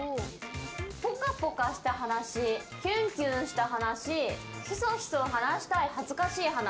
ぽかぽかした話キュンキュンした話ひそひそ話したい恥ずかしい話。